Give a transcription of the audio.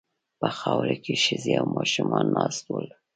په خاورو کې ښځې او ماشومان ناست ول.